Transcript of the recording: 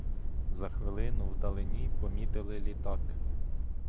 За хвилину в далині помітили літак.